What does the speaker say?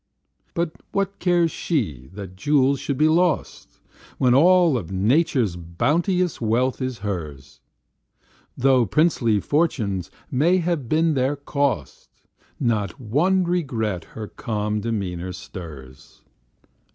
But what cares she that jewels should be lost, When all of Nature's bounteous wealth is hers? Though princely fortunes may have been their cost, Not one regret her calm demeanor stirs.